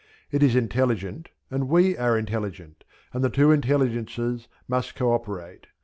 It is intelligent and we are intelligent, and the two intelligences must co operate.